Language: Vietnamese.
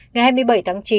ngày hai mươi bảy tháng chín